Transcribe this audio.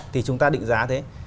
thì chúng ta định giá thế